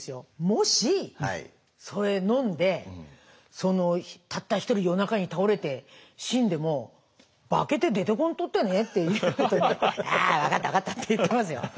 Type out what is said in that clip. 「もしそれ飲んでたった一人夜中に倒れて死んでも化けて出てこんとってね」って言ったら「あ分かった分かった」って言ってますよ。